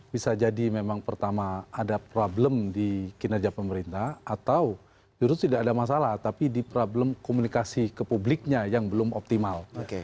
bisa jadi memang pertama ada problem di kinerja pemerintah atau justru tidak ada masalah tapi di problem komunikasi ke publiknya yang belum optimal